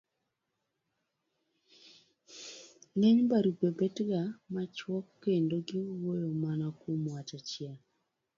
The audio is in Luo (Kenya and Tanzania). ng'eny barupe betga machuok kendo giwuoyo mana kuom wach achiel.